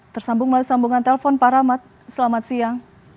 tersambung melalui sambungan telpon pak rahmat selamat siang